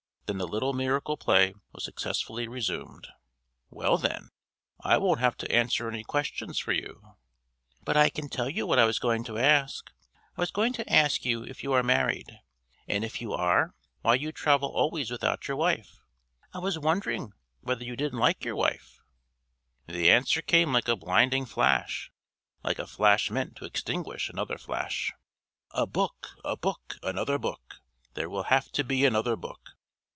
Then the little miracle play was successfully resumed: "Well, then, I won't have to answer any questions for you!" "But I can tell you what I was going to ask! I was going to ask you if you are married. And if you are, why you travel always without your wife. I was wondering whether you didn't like your wife!" The answer came like a blinding flash like a flash meant to extinguish another flash: "A book, a book! Another book! There will have to be another book!